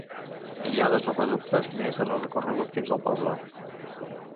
Hi ha dos aqüeductes més en el recorregut fins al poble.